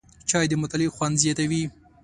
چای د مطالعې خوند زیاتوي